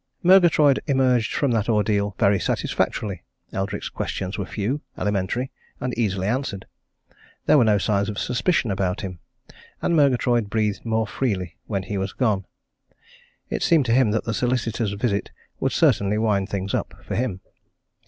Murgatroyd emerged from that ordeal very satisfactorily. Eldrick's questions were few, elementary, and easily answered. There were no signs of suspicion about him, and Murgatroyd breathed more freely when he was gone. It seemed to him that the solicitor's visit would certainly wind things up for him.